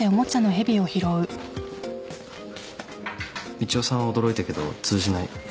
みちおさんは驚いたけど通じない。